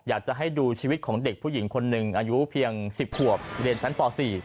อยากจะให้ดูชีวิตของเด็กผู้หญิงคนหนึ่งอายุเพียง๑๐ขวบเรียนชั้นป๔